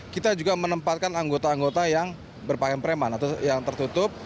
kita juga menempatkan anggota anggota yang berpakaian preman atau yang tertutup